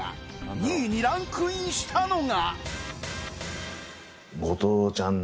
２位にランクインしたのが